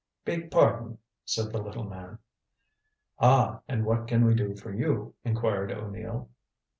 "Beg pardon," said the little man. "Ah, and what can we do for you?" inquired O'Neill.